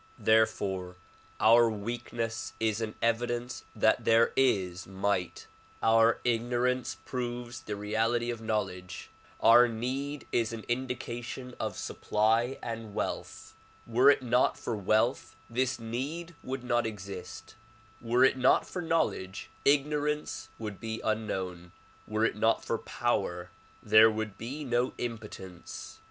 Therefore our weakness is an evidence that there is might ; our ignorance proves the reality of knowledge ; our need is an indica tion of supply and wealth. Were it not for wealth this need would not exist ; were it not for knowledge ignorance would be unknown ; were it not for power there would be no impotence.